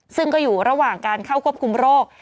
ซึ่งก็อยู่ระหว่างการเข้าควบคุมโรค